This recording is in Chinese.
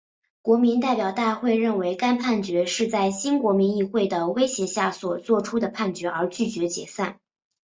国民代表大会认为该判决是在新国民议会的威胁下所做出的判决而拒绝解散。